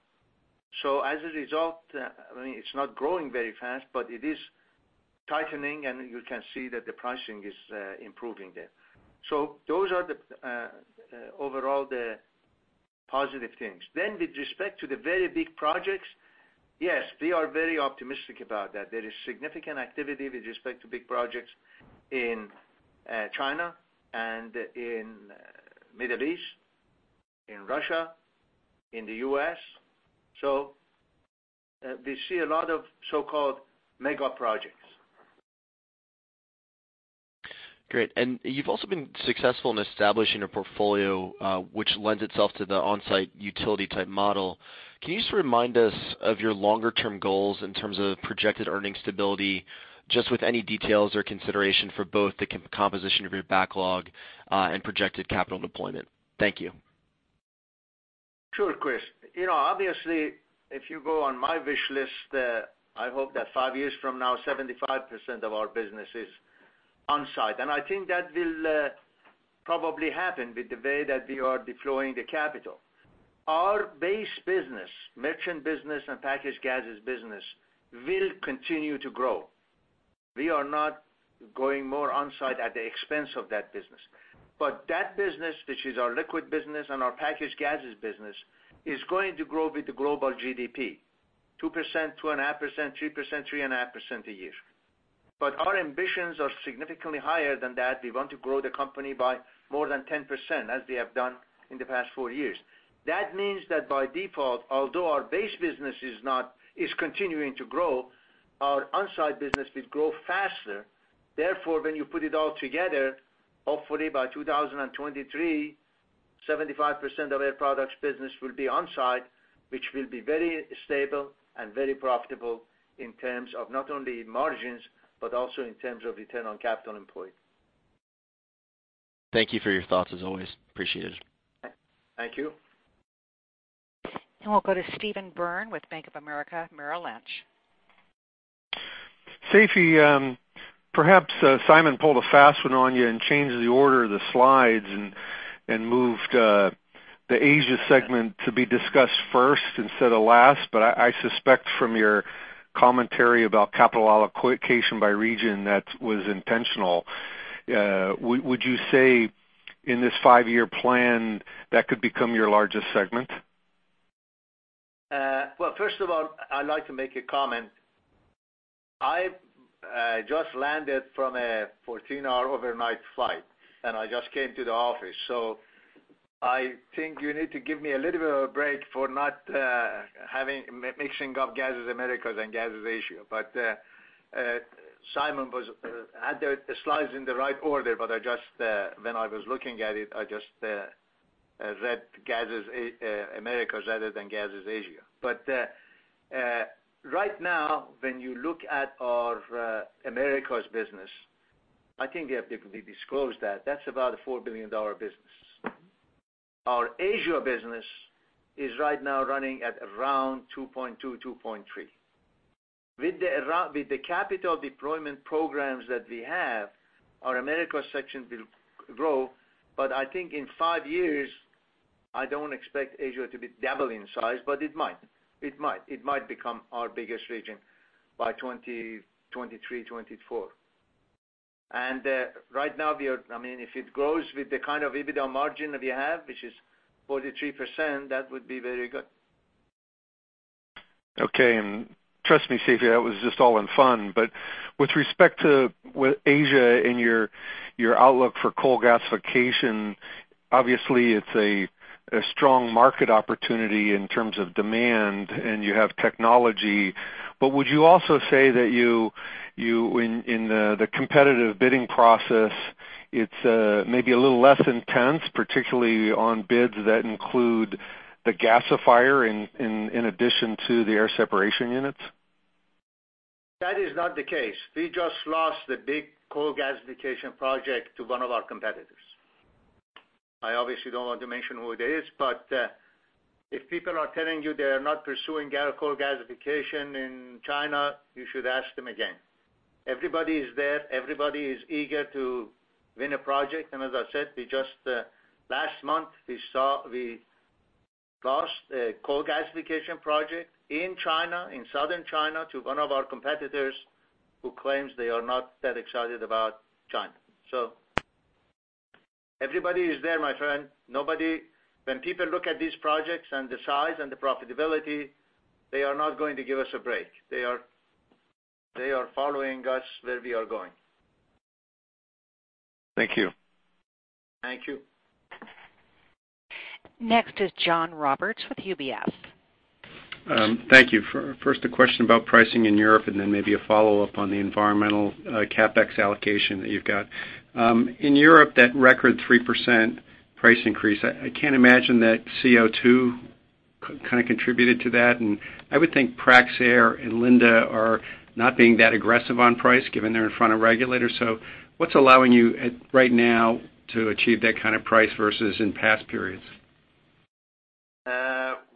As a result, it's not growing very fast, but it is tightening, and you can see that the pricing is improving there. Those are overall the positive things. With respect to the very big projects, yes, we are very optimistic about that. There is significant activity with respect to big projects in China and in Middle East, in Russia, in the U.S. We see a lot of so-called mega projects. Great. You've also been successful in establishing a portfolio, which lends itself to the on-site utility type model. Can you just remind us of your longer-term goals in terms of projected earning stability, just with any details or consideration for both the composition of your backlog, and projected capital deployment? Thank you. Sure, Chris. Obviously, if you go on my wish list, I hope that five years from now, 75% of our business is on-site. I think that will probably happen with the way that we are deploying the capital. Our base business, merchant business, and packaged gases business will continue to grow. We are not going more on-site at the expense of that business. That business, which is our liquid business and our packaged gases business, is going to grow with the global GDP, 2%, 2.5%, 3%, 3.5% a year. Our ambitions are significantly higher than that. We want to grow the company by more than 10%, as we have done in the past four years. That means that by default, although our base business is continuing to grow, our on-site business will grow faster. Therefore, when you put it all together, hopefully by 2023, 75% of Air Products business will be on-site, which will be very stable and very profitable in terms of not only margins, but also in terms of return on capital employed. Thank you for your thoughts as always. Appreciate it. Thank you. We'll go to Steven Byrne with Bank of America Merrill Lynch. Seifi, perhaps Simon pulled a fast one on you and changed the order of the slides and moved the Industrial Gases – Asia segment to be discussed first instead of last. I suspect from your commentary about capital allocation by region, that was intentional. Would you say in this five-year plan, that could become your largest segment? First of all, I'd like to make a comment. I just landed from a 14-hour overnight flight, and I just came to the office. I think you need to give me a little bit of a break for mixing up Industrial Gases – Americas and Industrial Gases – Asia. Simon had the slides in the right order, but when I was looking at it, I just read Industrial Gases – Americas rather than Industrial Gases – Asia. Right now, when you look at our Industrial Gases – Americas business, I think we have disclosed that. That's about a $4 billion business. Our Industrial Gases – Asia business is right now running at around $2.2 billion, $2.3 billion. With the capital deployment programs that we have, our Industrial Gases – Americas section will grow. I think in five years, I don't expect Industrial Gases – Asia to be double in size, but it might. It might become our biggest region by 2023, 2024. Right now, if it grows with the kind of EBITDA margin that we have, which is 43%, that would be very good. Trust me, Seifi, that was just all in fun. With respect to Asia and your outlook for coal gasification, obviously it's a strong market opportunity in terms of demand, and you have technology. Would you also say that in the competitive bidding process, it's maybe a little less intense, particularly on bids that include the gasifier in addition to the air separation units? That is not the case. We just lost a big coal gasification project to one of our competitors. I obviously don't want to mention who it is, if people are telling you they are not pursuing coal gasification in China, you should ask them again. Everybody is there. Everybody is eager to win a project. As I said, just last month, we lost a coal gasification project in Southern China to one of our competitors who claims they are not that excited about China. Everybody is there, my friend. When people look at these projects and the size and the profitability, they are not going to give us a break. They are following us where we are going. Thank you. Thank you. Next is John Roberts with UBS. Thank you. First, a question about pricing in Europe, and then maybe a follow-up on the environmental CapEx allocation that you've got. In Europe, that record 3% price increase, I can't imagine that CO2 contributed to that. I would think Praxair and Linde are not being that aggressive on price given they're in front of regulators. What's allowing you right now to achieve that kind of price versus in past periods?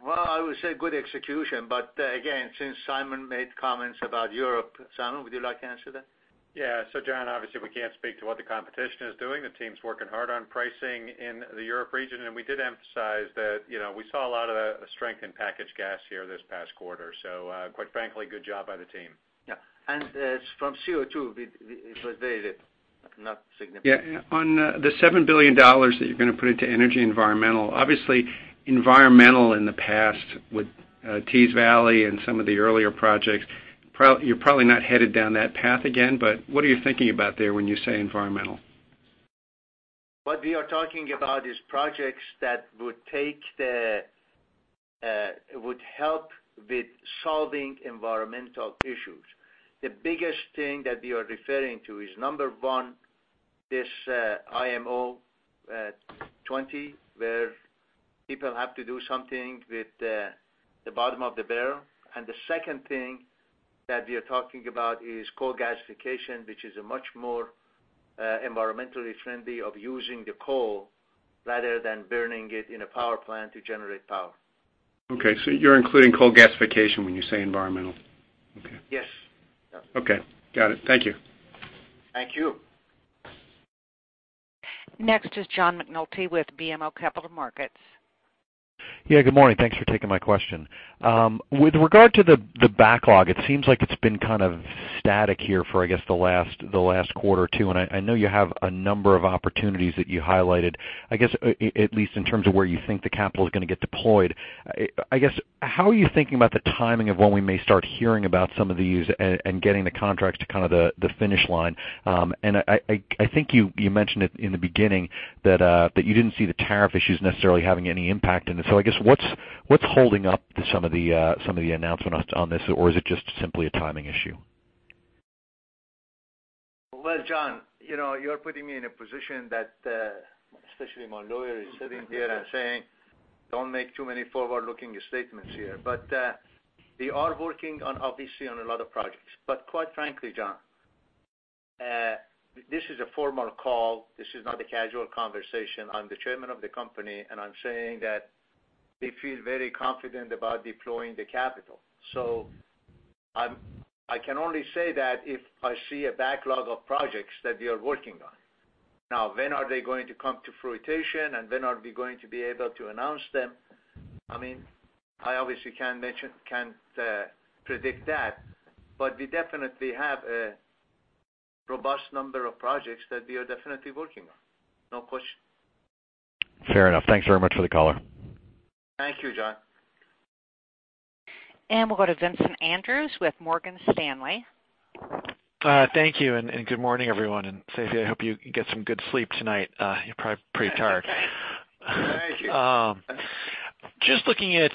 Well, I would say good execution, but again, since Simon made comments about Europe, Simon, would you like to answer that? Yeah. John, obviously, we can't speak to what the competition is doing. The team's working hard on pricing in the Europe region, and we did emphasize that we saw a lot of strength in packaged gas here this past quarter. Quite frankly, good job by the team. Yeah. From CO2, it was very little, not significant. Yeah. On the $7 billion that you're going to put into energy environmental, obviously environmental in the past with Tees Valley and some of the earlier projects, you're probably not headed down that path again, but what are you thinking about there when you say environmental? What we are talking about is projects that would help with solving environmental issues. The biggest thing that we are referring to is, number 1, this IMO 2020, where people have to do something with the bottom of the barrel. The second thing that we are talking about is coal gasification, which is a much more environmentally friendly of using the coal rather than burning it in a power plant to generate power. Okay, you're including coal gasification when you say environmental? Okay. Yes. Okay. Got it. Thank you. Thank you. Next is John McNulty with BMO Capital Markets. Yeah, good morning. Thanks for taking my question. With regard to the backlog, it seems like it's been kind of static here for, I guess, the last quarter, too. I know you have a number of opportunities that you highlighted, I guess, at least in terms of where you think the capital is going to get deployed. I guess, how are you thinking about the timing of when we may start hearing about some of these and getting the contracts to the finish line? I think you mentioned it in the beginning that you didn't see the tariff issues necessarily having any impact in this. I guess, what's holding up to some of the announcement on this, or is it just simply a timing issue? Well, John, you're putting me in a position that, especially my lawyer is sitting here and saying, "Don't make too many forward-looking statements here." We are working on, obviously, on a lot of projects. Quite frankly, John, this is a formal call. This is not a casual conversation. I'm the Chairman of the company, and I'm saying that we feel very confident about deploying the capital. I can only say that if I see a backlog of projects that we are working on. Now, when are they going to come to fruition, and when are we going to be able to announce them? I obviously can't predict that, but we definitely have a robust number of projects that we are definitely working on. No question. Fair enough. Thanks very much for the color. Thank you, John. We'll go to Vincent Andrews with Morgan Stanley. Thank you, good morning, everyone. Seifi, I hope you get some good sleep tonight. You're probably pretty tired. Thank you. Just looking at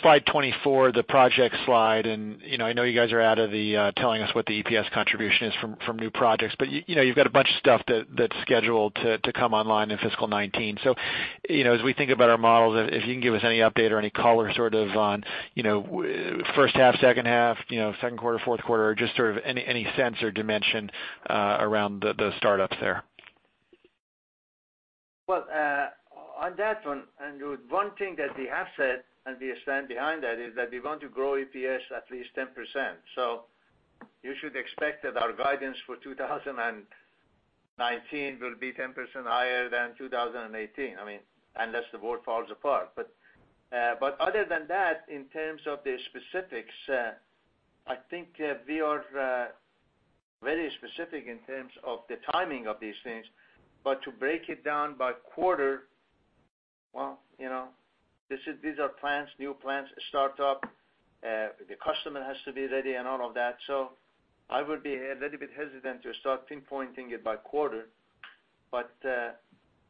slide 24, the project slide, I know you guys are out of the telling us what the EPS contribution is from new projects, you've got a bunch of stuff that's scheduled to come online in fiscal 2019. As we think about our models, if you can give us any update or any color on first half, second half, second quarter, fourth quarter, just any sense or dimension around the startups there. Well, on that one, Vincent Andrews, one thing that we have said, we stand behind that, is that we want to grow EPS at least 10%. You should expect that our guidance for 2019 will be 10% higher than 2018, unless the world falls apart. Other than that, in terms of the specifics, I think we are very specific in terms of the timing of these things. To break it down by quarter, well, these are plants, new plants, a startup. The customer has to be ready and all of that. I would be a little bit hesitant to start pinpointing it by quarter.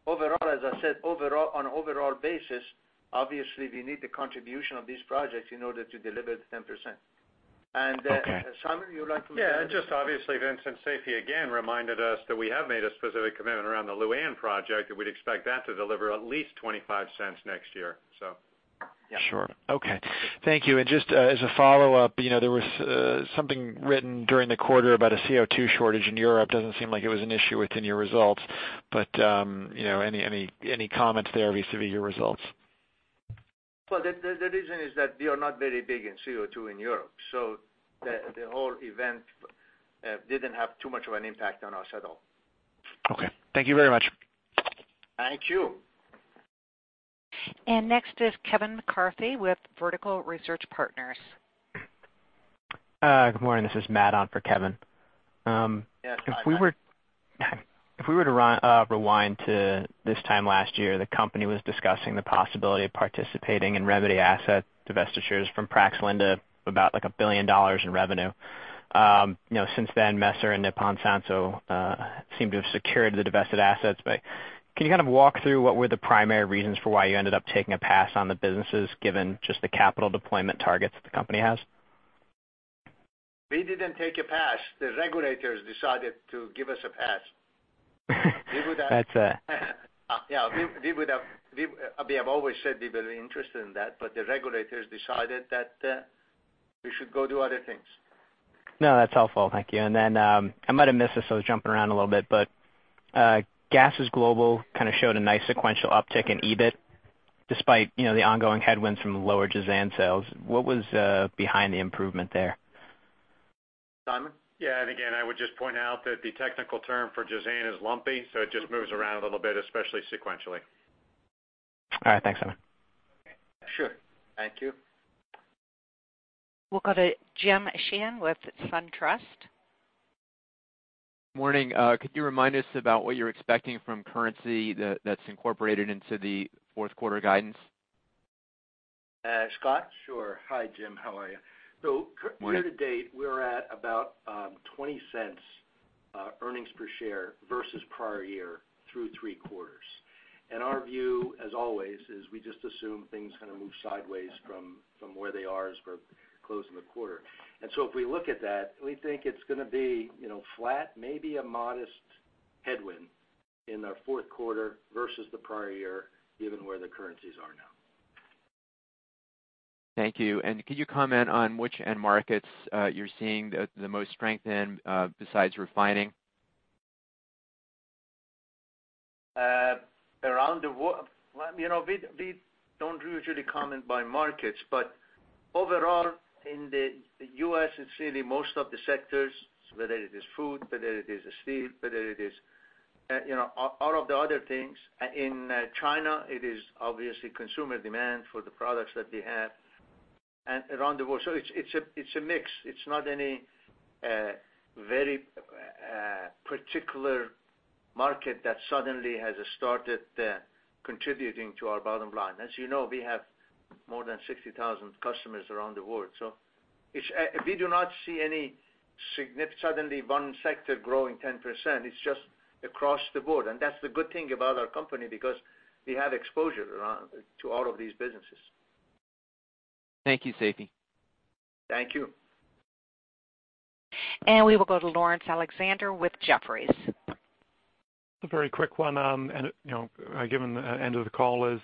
Overall, as I said, on an overall basis, obviously, we need the contribution of these projects in order to deliver the 10%. Okay. Simon, you would like to- Vincent, Seifi again reminded us that we have made a specific commitment around the Lu'An project, that we'd expect that to deliver at least $0.25 next year. Sure. Okay. Thank you. Just as a follow-up, there was something written during the quarter about a CO2 shortage in Europe. Doesn't seem like it was an issue within your results, but any comments there vis-à-vis your results? The reason is that we are not very big in CO2 in Europe, the whole event didn't have too much of an impact on us at all. Okay. Thank you very much. Thank you. Next is Kevin McCarthy with Vertical Research Partners. Good morning. This is Matt on for Kevin. Yes. Hi, Matt. If we were to rewind to this time last year, the company was discussing the possibility of participating in remedy asset divestitures from Praxair-Linde to about $1 billion in revenue. Since then, Messer and Nippon Sanso seem to have secured the divested assets. Can you walk through what were the primary reasons for why you ended up taking a pass on the businesses, given just the capital deployment targets that the company has? We didn't take a pass. The regulators decided to give us a pass. That's a Yeah. We have always said we were interested in that, but the regulators decided that we should go do other things. No, that's helpful. Thank you. I might have missed this, I was jumping around a little bit, but Gases Global showed a nice sequential uptick in EBIT despite the ongoing headwinds from the lower Jazan sales. What was behind the improvement there? Simon? Yeah, again, I would just point out that the technical term for Jazan is lumpy, so it just moves around a little bit, especially sequentially. All right. Thanks, Simon. Sure. Thank you. We'll go to James Sheehan with SunTrust. Morning. Could you remind us about what you're expecting from currency that's incorporated into the fourth quarter guidance? Scott? Sure. Hi, Jim. How are you? Morning. Year to date, we're at about $0.20 earnings per share versus prior year through three quarters. Our view, as always, is we just assume things move sideways from where they are as we're closing the quarter. If we look at that, we think it's going to be flat, maybe a modest headwind in our fourth quarter versus the prior year, given where the currencies are now. Thank you. Could you comment on which end markets you're seeing the most strength in besides refining? We don't usually comment by markets, but overall, in the U.S., it's really most of the sectors, whether it is food, whether it is steel, whether it is all of the other things. In China, it is obviously consumer demand for the products that we have, and around the world. It's a mix. It's not any very particular market that suddenly has started contributing to our bottom line. As you know, we have more than 60,000 customers around the world. We do not see suddenly one sector growing 10%. It's just across the board. That's the good thing about our company, because we have exposure to all of these businesses. Thank you, Seifi. Thank you. We will go to Laurence Alexander with Jefferies. A very quick one. Given the end of the call is,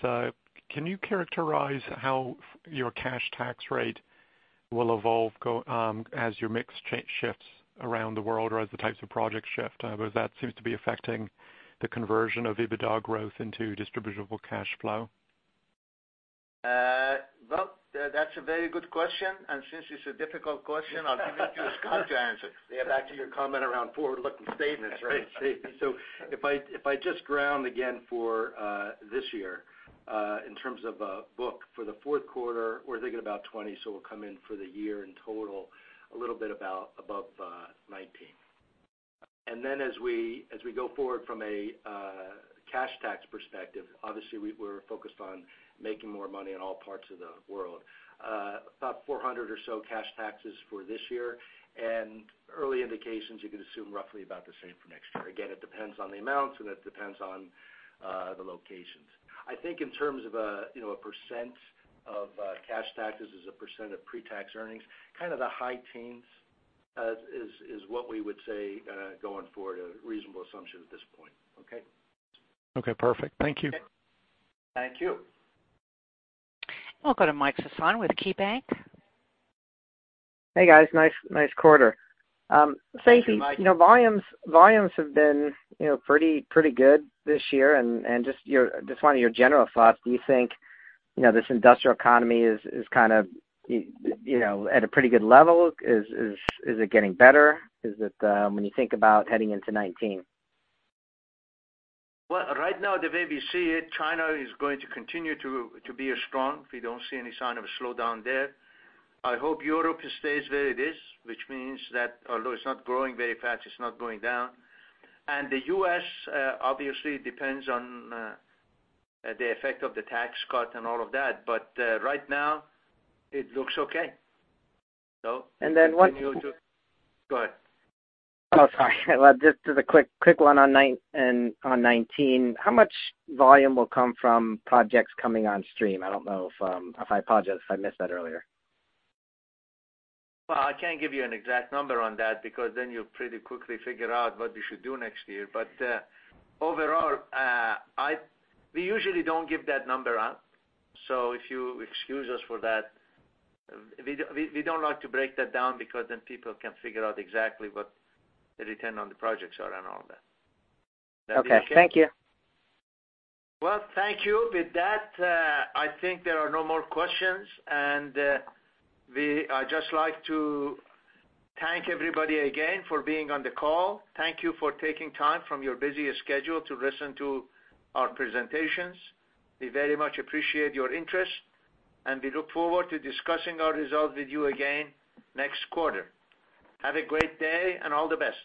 can you characterize how your cash tax rate will evolve as your mix shifts around the world or as the types of projects shift? That seems to be affecting the conversion of EBITDA growth into distributable cash flow. Well, that's a very good question, and since it's a difficult question, I'll give it to Scott to answer. Yeah, back to your comment around forward-looking statements, right? Right, Seifi. If I just ground again for this year, in terms of a book, for the fourth quarter, we're thinking about 20, we'll come in for the year in total a little bit above 19. As we go forward from a cash tax perspective, obviously we're focused on making more money in all parts of the world. About $400 or so cash taxes for this year, early indications, you can assume roughly about the same for next year. Again, it depends on the amounts and it depends on the locations. I think in terms of a percent of cash taxes as a percent of pre-tax earnings, kind of the high teens is what we would say going forward, a reasonable assumption at this point. Okay? Okay, perfect. Thank you. Thank you. We'll go to Michael Sison with KeyBank. Hey, guys. Nice quarter. Thank you, Mike. Seifi, volumes have been pretty good this year, and just wanting your general thoughts. Do you think this industrial economy is at a pretty good level? Is it getting better? When you think about heading into 2019? Well, right now, the way we see it, China is going to continue to be strong. We don't see any sign of a slowdown there. I hope Europe stays where it is, which means that although it's not growing very fast, it's not going down. The U.S. obviously depends on the effect of the tax cut and all of that. Right now, it looks okay. what Go ahead. Sorry. As a quick one on 2019. How much volume will come from projects coming on stream? I apologize if I missed that earlier. I can't give you an exact number on that because then you'll pretty quickly figure out what we should do next year. Overall, we usually don't give that number out. If you excuse us for that, we don't like to break that down because then people can figure out exactly what the return on the projects are and all that. Okay. Thank you. Well, thank you. With that, I think there are no more questions. I just like to thank everybody again for being on the call. Thank you for taking time from your busy schedule to listen to our presentations. We very much appreciate your interest, and we look forward to discussing our results with you again next quarter. Have a great day and all the best.